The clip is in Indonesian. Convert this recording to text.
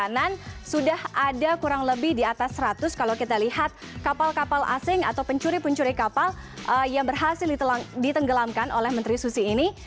perjalanan sudah ada kurang lebih di atas seratus kalau kita lihat kapal kapal asing atau pencuri pencuri kapal yang berhasil ditenggelamkan oleh menteri susi ini